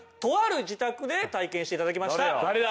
誰だ？